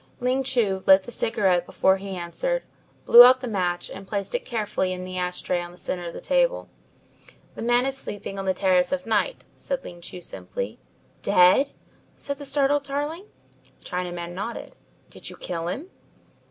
Ling Chu lit the cigarette before he answered, blew out the match and placed it carefully in the ash tray on the centre of the table. "The man is sleeping on the Terrace of Night," said Ling Chu simply. "Dead?" said the startled Tarling. The Chinaman nodded. "Did you kill him?"